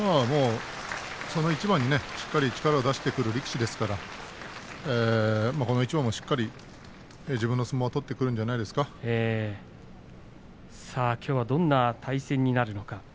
その一番でしっかり力を出してくる力士ですからこの一番も、しっかり自分の相撲きょうはどんな対戦になるのか。